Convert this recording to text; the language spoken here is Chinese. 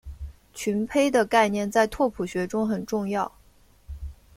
群胚的概念在拓扑学中很重要。